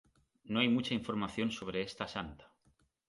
No hay mucha información sobre esta Santa.